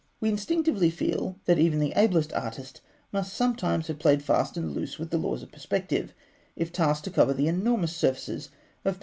We instinctively feel that even the ablest artist must sometimes have played fast and loose with the laws of perspective, if tasked to cover the enormous surfaces of Egyptian pylons.